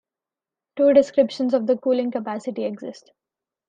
Two descriptions of the cooling capacity exist.